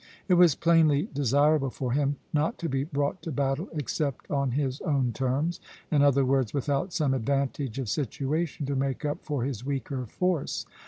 It was plainly desirable for him not to be brought to battle except on his own terms; in other words, without some advantage of situation to make up for his weaker force.